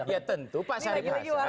ya tentu pak sarip hasan